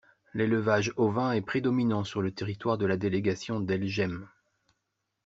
L'élevage ovin est prédominant sur le territoire de la délégation d'El Jem.